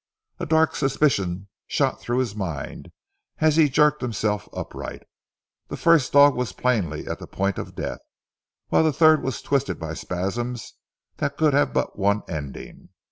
A dark suspicion shot through his mind, as he jerked himself upright. The first dog was plainly at the point of death, whilst the third was twisted by spasms that could have but one ending.